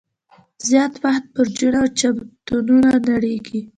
زیات وخت برجونه او چتونه نړیږي.